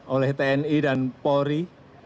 oleh tni dan polri